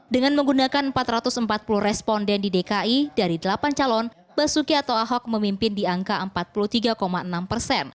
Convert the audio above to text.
dengan menggunakan empat ratus empat puluh responden di dki dari delapan calon basuki atau ahok memimpin di angka empat puluh tiga enam persen